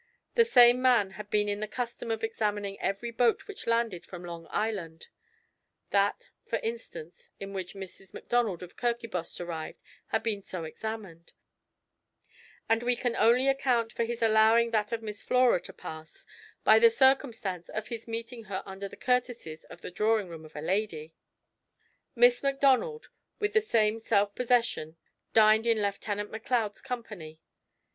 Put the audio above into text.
The same man had been in the custom of examining every boat which landed from Long Island; that, for instance, in which Mrs. Macdonald of Kirkibost arrived had been so examined, and we can only account for his allowing that of Miss Flora to pass by the circumstance of his meeting her under the courtesies of the drawing room of a lady. Miss Macdonald, with the same self possession, dined in Lieutenant Macleod's company.